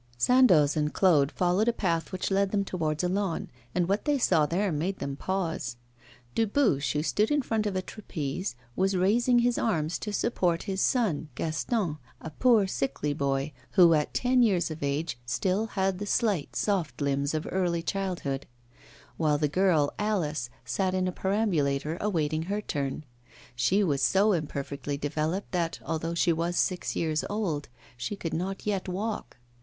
Sandoz and Claude followed a path which led them towards a lawn, and what they saw there made them pause. Dubuche, who stood in front of a trapeze, was raising his arms to support his son, Gaston, a poor sickly boy who, at ten years of age, still had the slight, soft limbs of early childhood; while the girl, Alice, sat in a perambulator awaiting her turn. She was so imperfectly developed that, although she was six years old, she could not yet walk.